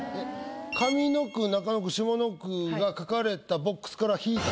上の句中の句下の句が書かれたボックスから引いた？